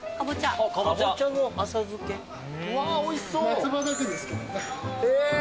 夏場だけですけどね。